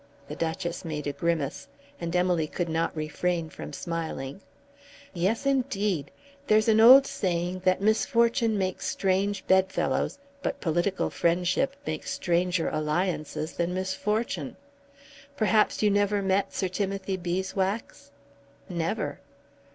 The Duchess made a grimace, and Emily could not refrain from smiling. "Yes, indeed. There's an old saying that misfortune makes strange bedfellows, but political friendship makes stranger alliances than misfortune. Perhaps you never met Sir Timothy Beeswax." "Never."